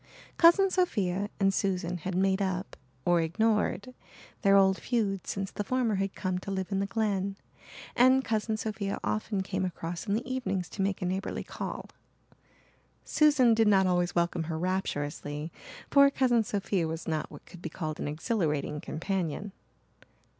Cousin Sophia and Susan had made up, or ignored, their old feud since the former had come to live in the Glen, and Cousin Sophia often came across in the evenings to make a neighbourly call. Susan did not always welcome her rapturously for Cousin Sophia was not what could be called an exhilarating companion.